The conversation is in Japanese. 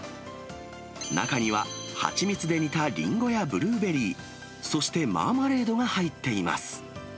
中には蜂蜜で煮たリンゴやブルーベリー、そしてマーマレードが入っています。